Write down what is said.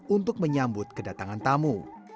untuk menyambut kedatangan tamu